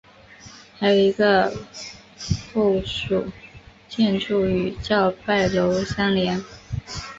还有一个附属建筑与叫拜楼相连。